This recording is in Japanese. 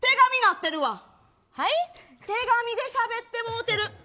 てがみでしゃべってもうてる。